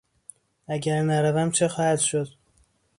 اگر نروم چه خواهد شد؟